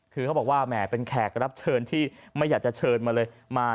คือเขาบอกว่าแหมเป็นแขกรับเชิญที่ไม่อยากจะเชิญมาเลยมา